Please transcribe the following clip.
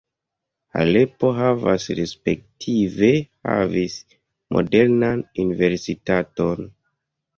Halepo havas respektive havis modernan universitaton.